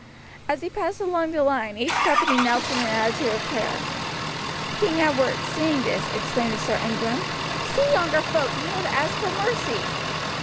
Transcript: As he passed along the line each company knelt in an attitude of prayer. King Edward, seeing this, exclaimed to Sir Ingram: "See yonder folk kneel to ask for mercy!"